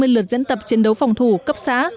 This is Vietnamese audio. bốn trăm hai mươi lượt diễn tập chiến đấu phòng thủ cấp xá